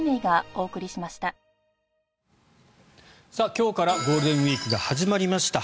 今日からゴールデンウィークが始まりました。